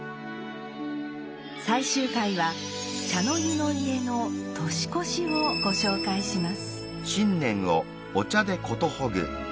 最終回は茶の湯の家の年越しをご紹介します。